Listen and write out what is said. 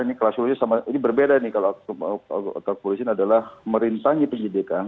ini berbeda nih kalau kepolisian adalah merintangi penyidikan